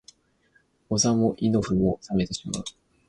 お座も胃の腑も冷めてしまう